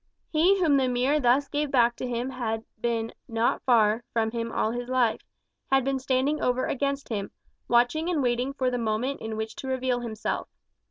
He whom the mirror thus gave back to him had been "not far" from him all his life; had been standing over against him, watching and waiting for the moment in which to reveal himself.